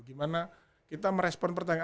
gimana kita merespon pertandingan